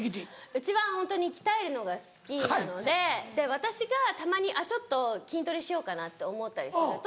うちはホントに鍛えるのが好きなので私がたまにちょっと筋トレしようかなと思ったりすると。